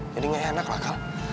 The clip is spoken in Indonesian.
jadi gak enak lah kal